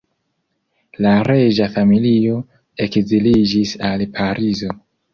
La reĝa familio ekziliĝis al Parizo.